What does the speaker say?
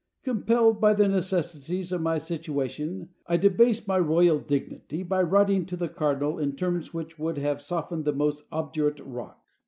Compelled by the necessities of my situation I debased my royal dignity by writing to the cardinal in terms which would have softened the most obdurate rock.